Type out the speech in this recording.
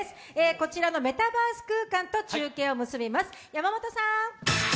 こちらのメタバース空間と中継を結びます。